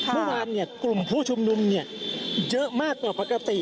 เมื่อวานกลุ่มผู้ชุมนุมเยอะมากกว่าปกติ